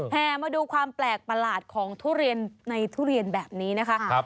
แห่มาดูความแปลกประหลาดของทุเรียนในทุเรียนแบบนี้นะคะ